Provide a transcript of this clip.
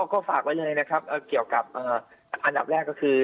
ก็ฝากไว้เลยนะครับเกี่ยวกับอันดับแรกก็คือ